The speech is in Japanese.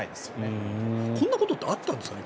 今までこんなことってあったんですかね？